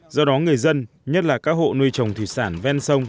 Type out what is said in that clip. do đó người dân nhất là các hộ nuôi trồng thủy sản ven sông